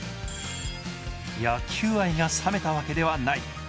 野球愛が冷めたわけではない。